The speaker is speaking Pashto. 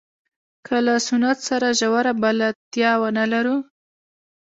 که له سنت سره ژوره بلدتیا ونه لرو.